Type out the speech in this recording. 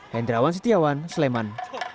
hendrawan setiawan sleman